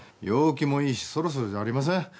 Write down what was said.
陽気もいいしそろそろじゃありません？